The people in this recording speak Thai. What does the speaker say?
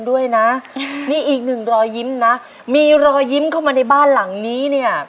ด้วยนะนี่อีกหนึ่งรอยยิ้มนะมีรอยยิ้มเข้ามาในบ้านหลังนี้เนี่ย